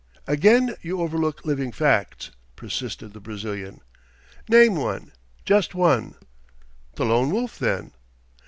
"Again you overlook living facts," persisted the Brazilian. "Name one just one." "The Lone Wolf, then."